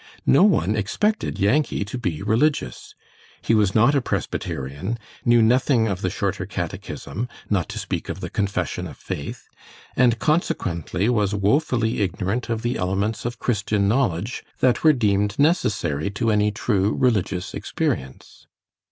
No one expected Yankee to be religious. He was not a Presbyterian, knew nothing of the Shorter Catechism, not to speak of the Confession of Faith, and consequently was woefully ignorant of the elements of Christian knowledge that were deemed necessary to any true religious experience.